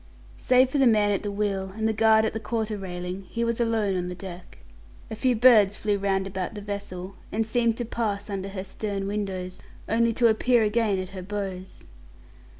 Save for the man at the wheel and the guard at the quarter railing, he was alone on the deck. A few birds flew round about the vessel, and seemed to pass under her stern windows only to appear again at her bows.